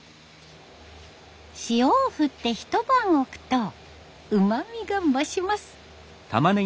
塩を振って一晩置くとうまみが増します。